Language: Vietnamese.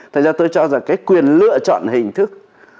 thế ra tôi cho rằng cái quyền lựa chọn hình thức